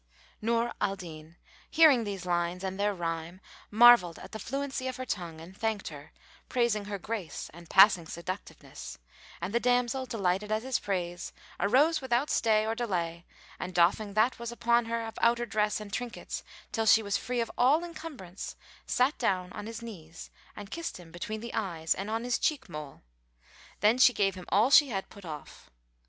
'" Nur al Din, hearing these lines and their rhyme, marvelled at the fluency of her tongue and thanked her, praising her grace and passing seductiveness; and the damsel, delighted at his praise, arose without stay or delay and doffing that was upon her of outer dress and trinkets till she was free of all encumbrance sat down on his knees and kissed him between the eyes and on his cheek mole. Then she gave him all she had put off.